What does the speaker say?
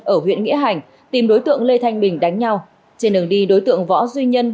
ở huyện nghĩa hành tìm đối tượng lê thanh bình đánh nhau trên đường đi đối tượng võ duy nhân